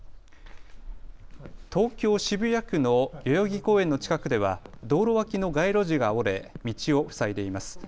東京渋谷区の代々木公園の近くでは道路脇の街路樹が折れ道を塞いでいます。